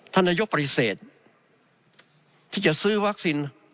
ธนยกประเทศที่จะซื้อวัคซิน